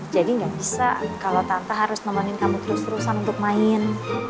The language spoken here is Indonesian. jadi gak bisa kalau tante harus nontonin kamu terus terusan untuk main